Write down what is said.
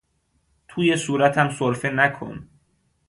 توی صورتم سرفه نکن!